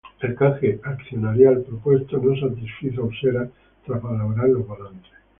El canje accionarial propuesto no satisfizo a Usera tras valorar los balances.